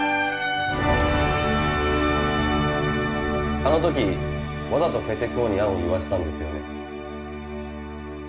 あのときわざとペテ公に案を言わせたんですよね？